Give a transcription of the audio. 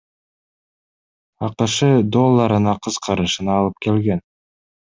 АКШ долларына кыскарышына алып келген.